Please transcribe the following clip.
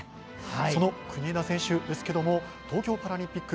その国枝選手ですけども東京パラリンピック